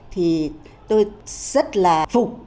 thì tôi rất là phục